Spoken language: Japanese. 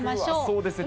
そうですね。